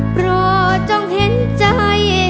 เพราะต้องเห็นใจ